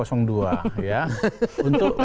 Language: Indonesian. untuk memberikan bukti